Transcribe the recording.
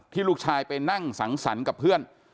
ลูกชายไปนั่งสังสรรค์กับเพื่อน